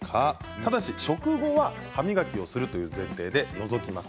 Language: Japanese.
ただし食後は歯磨きをするという前提で除きます。